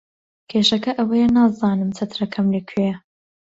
کێشەکە ئەوەیە نازانم چەترەکەم لەکوێیە.